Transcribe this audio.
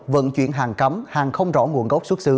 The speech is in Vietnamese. vận chuyển hàng cấm hàng không rõ nguồn gốc xuất xứ